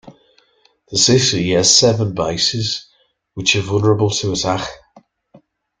The city has seven bases, which are vulnerable to attack.